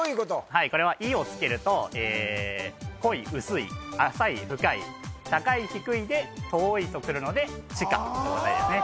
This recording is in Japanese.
はいこれは「い」を付けると濃い薄い浅い深い高い低いで遠いとくるので地下が答えですね